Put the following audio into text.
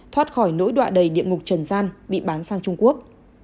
thoát khỏi nỗi đoạ đầy địa ngục trần gian bị bán sang trung quốc